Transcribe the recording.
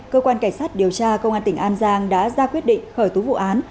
cơ quan cảnh sát điều tra công an tỉnh an giang đã ra quyết định khởi tố vụ án